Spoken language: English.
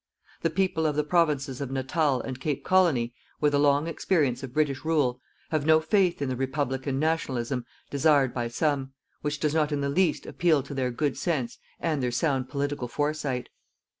The people of the provinces of Natal and Cape Colony, with a long experience of British rule, have no faith in the "republican nationalism" desired by some, which does not in the least appeal to their good sense and their sound political foresight.